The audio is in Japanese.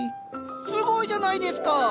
すごいじゃないですか！